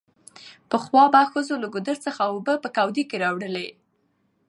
پخوا به ښځو له ګودر څخه اوبه په ګوډي کې راوړلې